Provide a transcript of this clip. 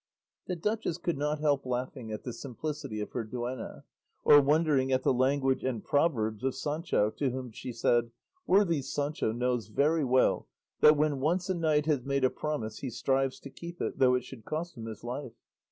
The duchess could not help laughing at the simplicity of her duenna, or wondering at the language and proverbs of Sancho, to whom she said, "Worthy Sancho knows very well that when once a knight has made a promise he strives to keep it, though it should cost him his life.